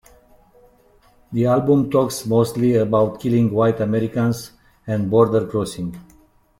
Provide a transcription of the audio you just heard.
The album talks mostly about killing White Americans and border crossing.